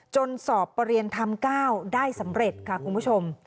สอบประเรียนธรรม๙ได้สำเร็จค่ะคุณผู้ชม